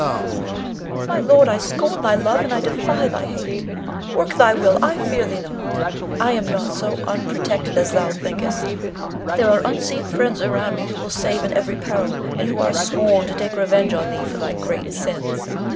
Leonore. My lord, I scorn thy love, and I defy thy hate. Work thy will, I fear thee not. I am not so unprotected as thou thinkest. There are unseen friends around me who will save in every peril, and who are sworn to take revenge on thee for thy great sins.